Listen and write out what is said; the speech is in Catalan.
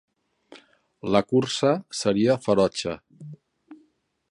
La cursa seria ferotge.